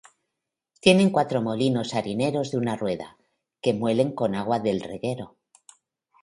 Tienen cuatro molinos harineros de una rueda, que muelen con agua del reguero.